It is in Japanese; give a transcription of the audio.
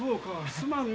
すまんね。